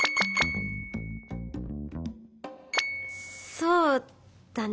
「そうだね」。